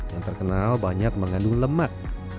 yang terkenal banyak mengandung lemak